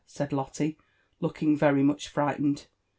said Lotle, looking very much frightened.